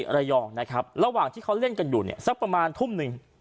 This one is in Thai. ระยองนะครับระหว่างที่เขาเล่นกันอยู่เนี่ยสักประมาณทุ่มหนึ่ง